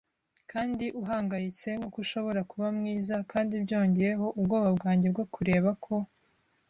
kandi uhangayitse, nkuko ushobora kuba mwiza, kandi byongeyeho ubwoba bwanjye bwo kureba ko